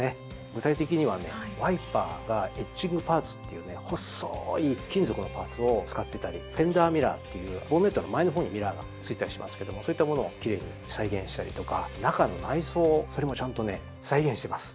具体的にはワイパーがエッチングパーツっていうね細い金属のパーツを使ってたりフェンダーミラーっていうボンネットの前の方にミラーが付いたりしますけどもそういった物を奇麗に再現したりとか中の内装それもちゃんとね再現してます。